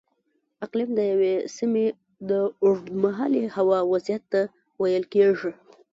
اقلیم د یوې سیمې د اوږدمهالې هوا وضعیت ته ویل کېږي.